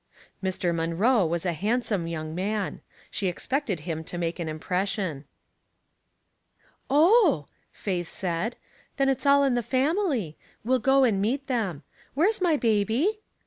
Mr. Munroe was a handsome young man — she expected him to make an impression. "Oh," Faith said, "then it's all in the family. We'll go and meet them. Where's my baby?"